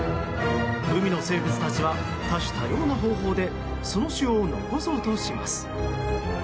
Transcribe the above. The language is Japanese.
海の生物たちは多種多様な方法でその種を残そうとします。